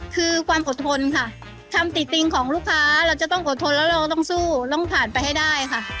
คือความอดทนค่ะคำติดติงของลูกค้าเราจะต้องอดทนแล้วเราต้องสู้ต้องผ่านไปให้ได้ค่ะ